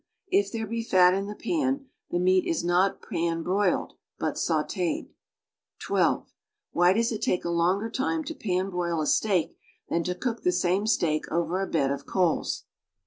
If there be fat in the pun, the meat is not pan broiled, but sauteed. (\ 2) Why does it take a longer time to pan lir"o1l a steak than to cook the same steak over a bed of eoals?